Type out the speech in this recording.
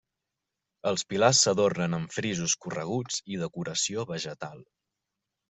Els pilars s'adornen amb frisos correguts i decoració vegetal.